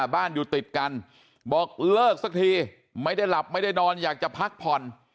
บ้านอยู่ติดกันบอกเลิกสักทีไม่ได้หลับไม่ได้นอนอยากจะพักผ่อน